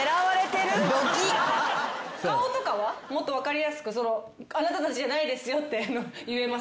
もっと分かりやすくあなたたちじゃないですよって言えますから。